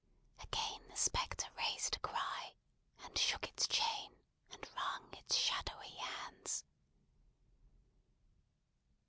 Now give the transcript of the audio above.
Again the spectre raised a cry, and shook its chain and wrung its shadowy hands.